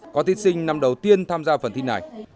có thí sinh năm đầu tiên tham gia phần thi này